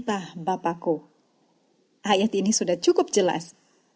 ayat ini sudah cukup jelas